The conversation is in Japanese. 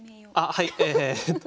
はい。